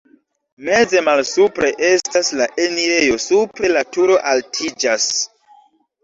Meze malsupre estas la enirejo, supre la turo altiĝas.